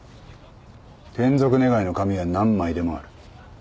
転属願の紙は何枚でもある。